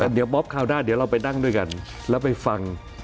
เดี๋ยวบ๊อบคราวหน้าเดี๋ยวเราไปนั่งด้วยกันแล้วไปฟัง